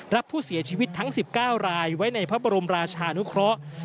รับผู้เสียชีวิตทั้ง๑๙รายไว้ในพระบรมราชานุเคราะห์